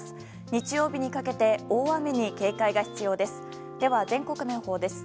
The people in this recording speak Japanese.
日曜日にかけて大雨に警戒が必要です。